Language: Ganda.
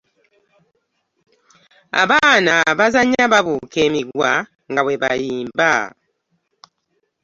Abaana bazannya babuuka emiguwa nga bwe bayimba.